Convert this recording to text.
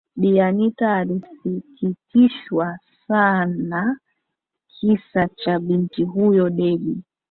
Bi Anita alisikitishwa san ana kisa cha binti huyo Debby